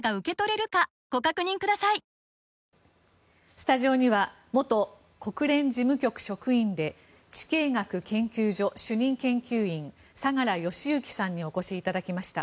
スタジオには元国連事務局職員で地経学研究所主任研究員相良祥之さんにお越しいただきました。